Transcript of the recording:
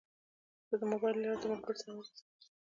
زه د موبایل له لارې د ملګرو سره مجلس کوم.